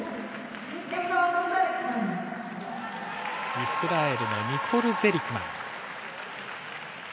イスラエルのニコル・ゼリクマン。